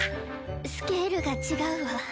スケールが違うわ。